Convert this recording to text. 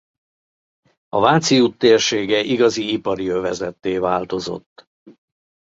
A Váci út térsége igazi ipari övezetté változott.